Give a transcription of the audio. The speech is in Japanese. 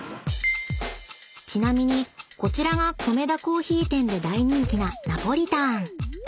［ちなみにこちらがコメダ珈琲店で大人気なナポリタン］